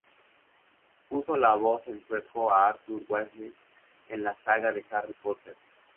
Puso la voz en sueco a Arthur Weasley en la saga de Harry Potter.